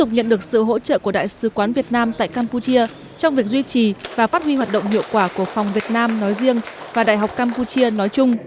nhận được sự hỗ trợ của đại sứ quán việt nam tại campuchia trong việc duy trì và phát huy hoạt động hiệu quả của phòng việt nam nói riêng và đại học campuchia nói chung